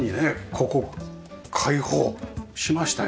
ここ開放しましたよね。